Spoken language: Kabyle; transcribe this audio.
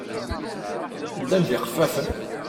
Ddan d yiqeffafen.